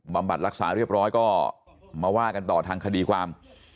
บัดรักษาเรียบร้อยก็มาว่ากันต่อทางคดีความ